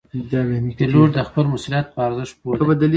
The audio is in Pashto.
پیلوټ د خپل مسؤلیت په ارزښت پوه دی.